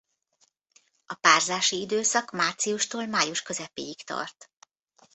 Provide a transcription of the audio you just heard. A párzási időszak márciustól május közepéig tart.